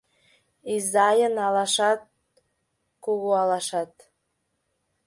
Изайын алашат — кугу алашат